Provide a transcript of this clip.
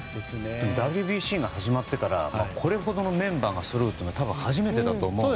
ＷＢＣが始まってからこれだけのメンバーがそろうっていうのは初めてだと思うので。